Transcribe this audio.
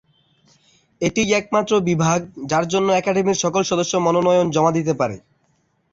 এটিই একমাত্র বিভাগ যার জন্য একাডেমির সকল সদস্য মনোনয়ন জমা দিতে পারে।